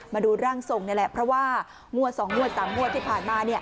มาดูร่างทรงนี่แหละเพราะว่างวด๒งวด๓งวดที่ผ่านมา